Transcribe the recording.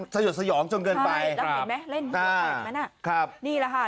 สยกสยองจนเดินไปใช่เดอะเห็นไหมเล่นฮืออาบมันนี่แล้วค่ะ